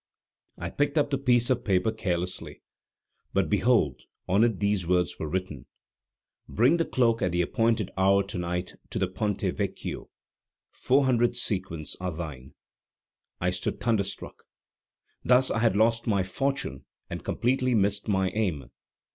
I picked up the piece of paper carelessly, but behold, on it these words were written: "Bring the cloak at the appointed hour to night to the Ponte Vecchio, four hundred sequins are thine." I stood thunderstruck. Thus I had lost my fortune and completely missed my aim!